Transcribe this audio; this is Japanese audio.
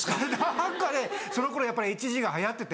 何かねその頃やっぱりＨＧが流行ってて。